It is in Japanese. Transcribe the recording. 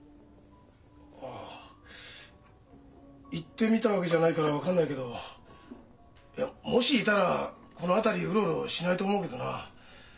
ああ行ってみたわけじゃないから分かんないけどいやもしいたらこの辺りウロウロしないと思うけどなあ。